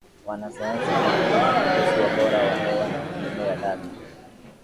wanasayansi kuripoti kuhusu ubora wa hewa na mifumo ya data